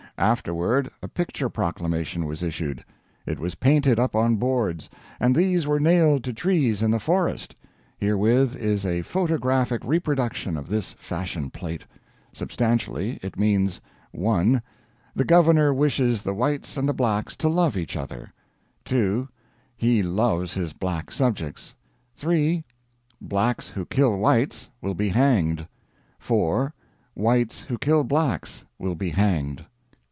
Afterward a picture proclamation was issued. It was painted up on boards, and these were nailed to trees in the forest. Herewith is a photographic reproduction of this fashion plate. Substantially it means: 1. The Governor wishes the Whites and the Blacks to love each other; 2. He loves his black subjects; 3. Blacks who kill Whites will be hanged; 4. Whites who kill Blacks will be hanged.